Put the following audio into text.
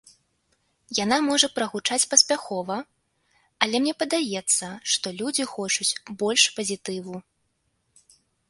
Яна можа прагучаць паспяхова, але мне падаецца, што людзі хочуць больш пазітыву.